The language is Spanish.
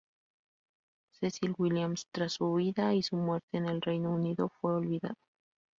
Cecil Williams, tras su huida y su muerte en el Reino Unido, fue olvidado.